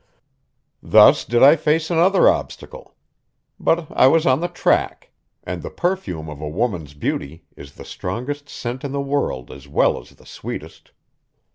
Thus did I face another obstacle. But I was on the track; and the perfume of a woman's beauty is the strongest scent in the world as well as the sweetest.